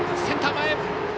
センター前。